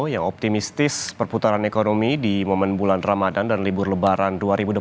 yang optimistis perputaran ekonomi di momen bulan ramadan dan libur lebaran dua ribu dua puluh